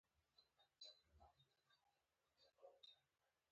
خپل وخت مه ضايع کوه!